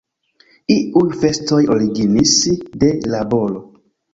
Iuj festoj originis de laboro.